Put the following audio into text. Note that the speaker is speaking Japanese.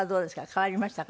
変わりましたか？